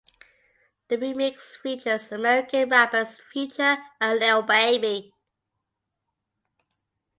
The remix features American rappers Future and Lil Baby.